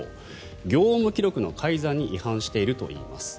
業務記録の改ざんに違反しているといいます。